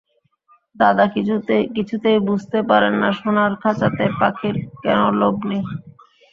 দাদা কিছুতেই বুঝতে পারেন না সোনার খাঁচাতে পাখির কেন লোভ নেই।